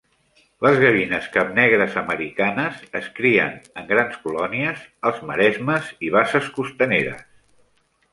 Les gavines capnegres americanes es crien en grans colònies als maresmes i basses costaneres.